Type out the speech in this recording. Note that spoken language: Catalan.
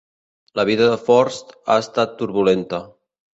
La vida de Forst ha estat turbulenta.